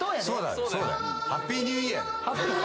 そうだよ